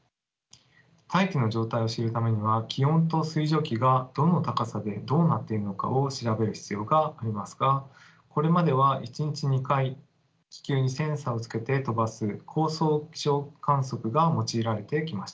大気の状態を知るためには気温と水蒸気がどの高さでどうなっているのかを調べる必要がありますがこれまでは１日２回気球にセンサーをつけて飛ばす高層気象観測が用いられてきました。